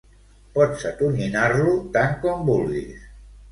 Pots atonyinar-lo tant com vulguis.